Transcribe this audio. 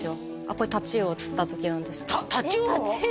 これタチウオを釣った時なんですけどタタチウオ！？